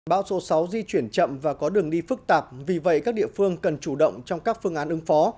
bão số sáu di chuyển chậm và có đường đi phức tạp vì vậy các địa phương cần chủ động trong các phương án ứng phó